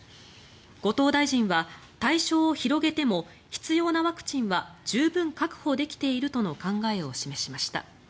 後藤大臣は対象を広げても必要なワクチンは十分確保できているとの考えを示しました。